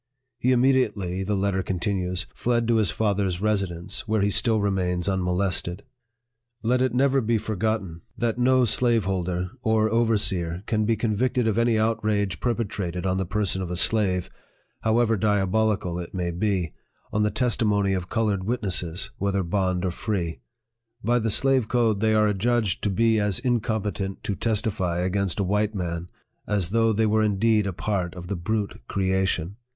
He immediately, the letter continues, fled to his father's residence, where he still remains unmolested." Let it never be forgotten, that no slaveholder or Xll PREFACE. overseer can be convicted of any outrage perpetrated on the person of a slave, however diabolical it may be, on the testimony of colored witnesses, whether bond 01 free. By the slave code, they are adjudged to be as incompetent to testify against a white man, as though they were indeed a part of the brute creation.